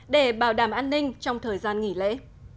để bảo đảm an ninh trong thời gian nghỉ lễ